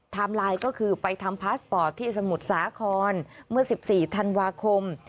ไลน์ก็คือไปทำพาสปอร์ตที่สมุทรสาครเมื่อ๑๔ธันวาคม